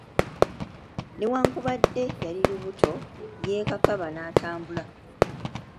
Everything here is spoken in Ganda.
Newankubadde yali lubuto, yeekakaba n'atambula.